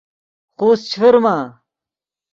خوست چے فرما